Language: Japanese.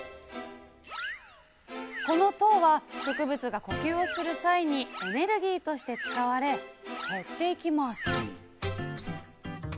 この糖は植物が呼吸をする際にエネルギーとして使われ減っていきます